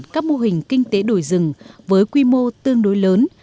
các mô hình kinh tế đồi rừng với quy mô tương đối lớn